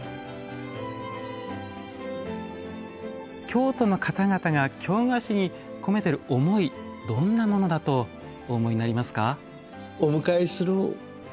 京都の方々が京菓子に込めてる思いどんなものだとお思いになりますか？